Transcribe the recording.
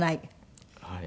はい。